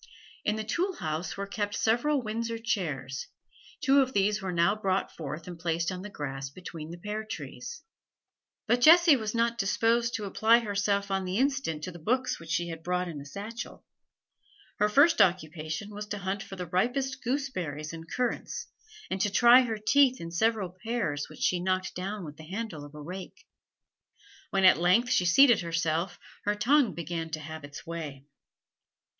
In the tool house were kept several Windsor chairs; two of these were now brought forth and placed on the grass between the pear trees. But Jessie was not disposed to apply herself on the instant to the books which she had brought in a satchel; her first occupation was to hunt for the ripest gooseberries and currants, and to try her teeth in several pears which she knocked down with the handle of a rake. When at length she seated herself, her tongue began to have its way.